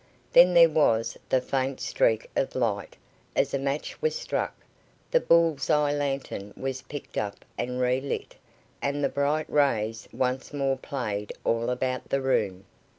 Then there was the faint streak of light as a match was struck, the bull's eye lantern was picked up and re lit, and the bright rays once more played all about the room.